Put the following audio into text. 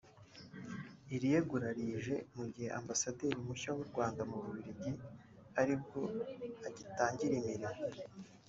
Iri yegura rije mu gihe ambasaderi mushya w’u Rwanda mu Bubiligi ari bwo agitangira imirimo